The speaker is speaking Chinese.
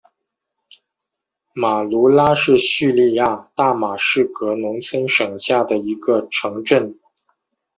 马卢拉是叙利亚大马士革农村省下的一个城镇。